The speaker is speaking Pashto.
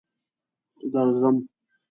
درځم.